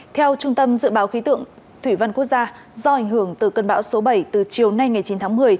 theo trung tâm dự báo khí tượng thủy văn quốc gia do ảnh hưởng từ cơn bão số bảy từ chiều nay ngày chín tháng một mươi